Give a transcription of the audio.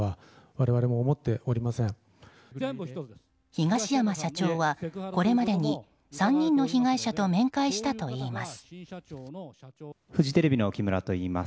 東山社長はこれまでに３人の被害者と面会したといいます。